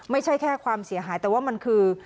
ไม่ใช่แค่ความเสียหายแต่ว่ามันคือ